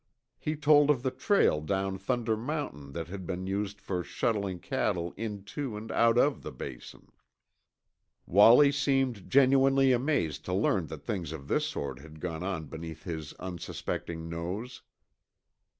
He told of the trail down Thunder Mountain that had been used for shuttling cattle into and out of the Basin. Wallie seemed genuinely amazed to learn that things of this sort had gone on beneath his unsuspecting nose.